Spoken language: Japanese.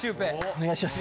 お願いします。